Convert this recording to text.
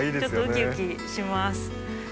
ちょっとウキウキします。